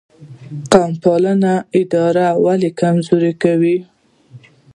قوم پالنه اداره ولې کمزورې کوي؟